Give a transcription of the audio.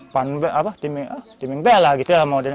pun apa timming timming bela gitu lah modelnya